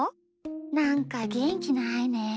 なんかげんきないねえ。